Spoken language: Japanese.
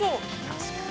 ◆確かに。